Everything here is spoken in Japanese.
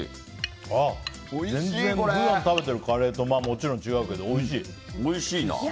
全然普段食べてるカレーとはもちろん違うけど、おいしい。